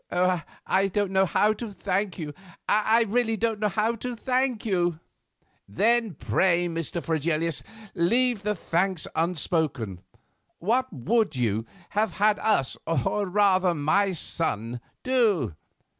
"I don't know how to thank you; I really don't know how to thank you." "Then pray, Mr. Fregelius, leave the thanks unspoken. What would you have had us—or, rather, my son—do?